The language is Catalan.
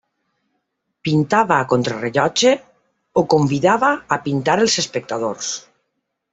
Pintava a contrarellotge o convidava a pintar als espectadors.